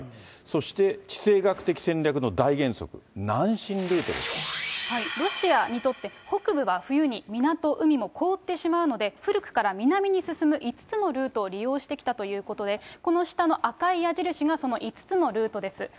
そして地政学的戦略の大原則、ロシアにとって、北部は冬に港、海も凍ってしまうので、古くから南に進む５つのルートを利用してきたということで、この下の赤い矢印がその５つのルートです。